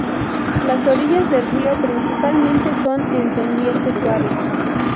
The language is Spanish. Las orillas del río principalmente son en pendiente suave.